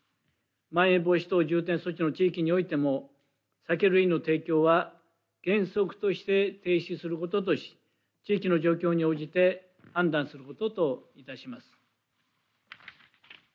まん延防止等重点措置の地域においても酒類の提供は原則として停止することとし地域の状況に応じて判断することと致します。